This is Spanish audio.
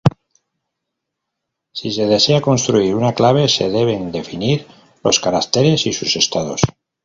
Si se desea construir una clave, se deben definir los caracteres y sus estados.